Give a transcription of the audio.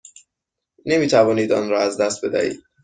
نمی توانید آن را از دست بدهید.